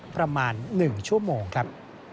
ประมาณ๑ชั่วโมงครับ